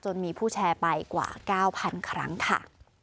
มีผู้แชร์ไปกว่า๙๐๐ครั้งค่ะ